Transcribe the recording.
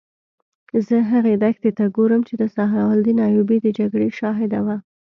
زه هغې دښتې ته ګورم چې د صلاح الدین ایوبي د جګړې شاهده وه.